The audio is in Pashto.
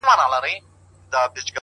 تر دې نو بله ښه غزله کتابي چیري ده;